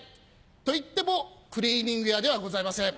といってもクリーニング屋ではございません。